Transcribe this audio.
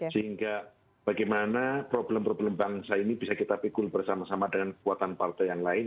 sehingga bagaimana problem problem bangsa ini bisa kita pikul bersama sama dengan kekuatan partai yang lain